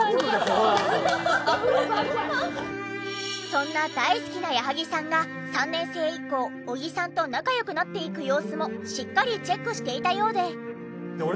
そんな大好きな矢作さんが３年生以降小木さんと仲良くなっていく様子もしっかりチェックしていたようで。